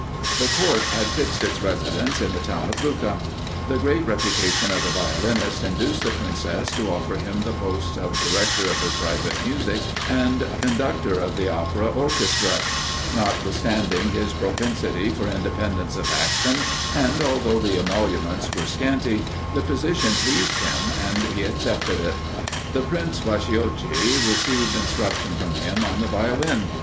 The Court had fixed its residence in the town of Lucca. The great reputation of the violinist induced the Princess to offer him the posts of director of her private music, and conductor of the opera orchestra. Notwithstanding his propensity for independence of action, and although the emoluments were scanty, the position pleased him, and he accepted it. The Prince Bacciochi received instruction from him on the Violin.